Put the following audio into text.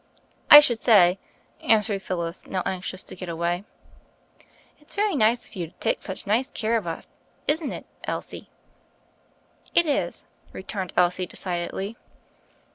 "I should say," answered Phyllis, now anxious to eet away. It's very kind of you to take such nice care of us — isn't it, Elsie?" "It is," returned Elsie decidedly.